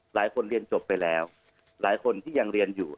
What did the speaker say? หลายคนเรียนจบไปแล้วหลายคนที่ยังเรียนอยู่